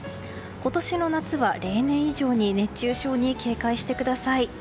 今年の夏は例年以上に熱中症に警戒してください。